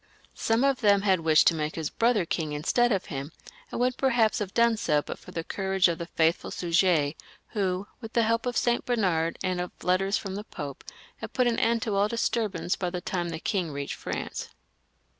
Some of them had wished to make his brother king instead of him, and would perhaps have done so but for the courage of the faithful Suger, who, with the help of St. Bernard and of letters from the Pope, had put an end to all disturbance by the time the king reached France.